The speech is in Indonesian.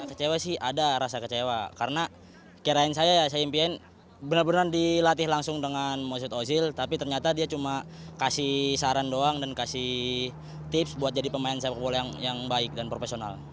kecewa sih ada rasa kecewa karena kirain saya ya saya impiin benar benar dilatih langsung dengan maksud ozil tapi ternyata dia cuma kasih saran doang dan kasih tips buat jadi pemain sepak bola yang baik dan profesional